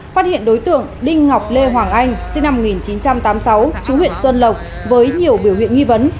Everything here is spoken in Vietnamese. phát hiện đối tượng đinh ngọc lê hoàng anh sinh năm một nghìn chín trăm tám mươi sáu chú huyện xuân lộc với nhiều biểu hiện nghi vấn